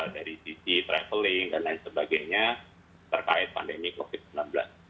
dari sisi traveling dan lain sebagainya terkait pandemi covid sembilan belas